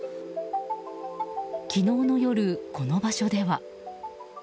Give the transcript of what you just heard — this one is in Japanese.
昨日の夜、この場所では。